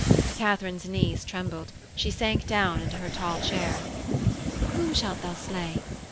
Katharine's knees trembled; she sank down into her tall chair. 'Whom shalt thou slay?'